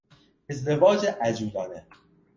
ازدواج عجولانه